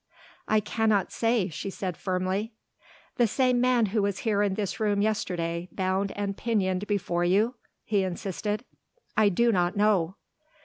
"I cannot say," she said firmly. "The same man who was here in this room yesterday, bound and pinioned before you?" he insisted. "I do not know."